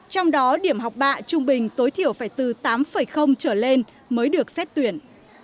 trong đó điểm học bạ trung bình tối thiểu phải từ tám trở lên mới được xét tuyển